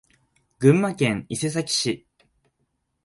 群馬県伊勢崎市